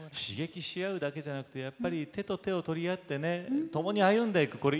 刺激し合うだけじゃなくてやっぱり手と手を取り合ってねともに歩んでいく。